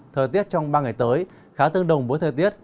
thời tiết trong ba ngày tới khá tương đồng với thời tiết